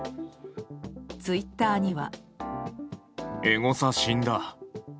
ツイッターには。